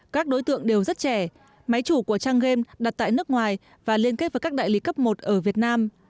các đối tượng đều rất trẻ máy chủ của trang game đặt tại nước ngoài và liên kết với các đại lý cấp một ở việt nam